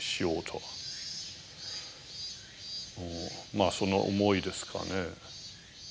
まあその思いですかね。